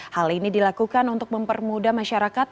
hal ini dilakukan untuk mempermudah masyarakat